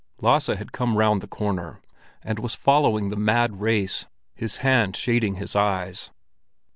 Lasse had come round the corner, and was following the mad race, his hand shading his eyes.